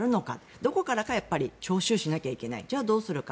どこからか徴収しなければいけないじゃあどうするか。